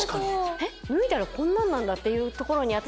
えっ脱いだらこんなんなんだっていうところに私